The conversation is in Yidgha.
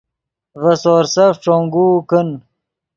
ڤے سورسف ݯونگوؤ کن